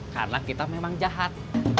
karena kita memang jahat